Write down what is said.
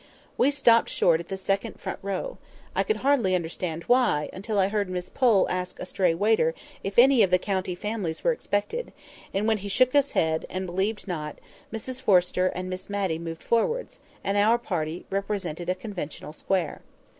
We stopped short at the second front row; I could hardly understand why, until I heard Miss Pole ask a stray waiter if any of the county families were expected; and when he shook his head, and believed not, Mrs Forrester and Miss Matty moved forwards, and our party represented a conversational square.